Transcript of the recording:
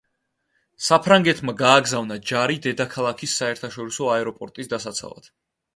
საფრანგეთმა გააგზავნა ჯარი დედაქალაქის საერთაშორისო აეროპორტის დასაცავად.